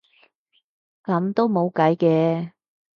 噉都冇計嘅